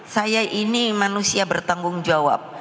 saya ini manusia bertanggung jawab